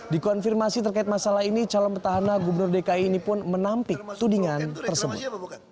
di konfirmasi terkait masalah ini calon pertahanan gubernur dki ini pun menampik tudingan tersebut